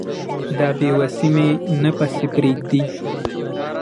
دا بې وسي مي نه پسې پرېږدي